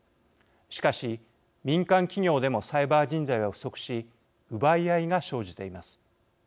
しかし民間企業でもサイバー人材は不足し奪い合いが生じています。